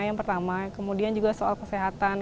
yang pertama kemudian juga soal kesehatan